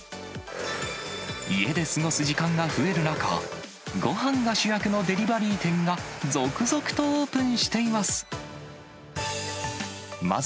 家で過ごす時間が増える中、ごはんが主役のデリバリー店が、続々とオープンしています。